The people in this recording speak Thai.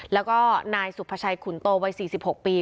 แล้วก็นายสุภาชัยขุนโตวัย๔๖ปี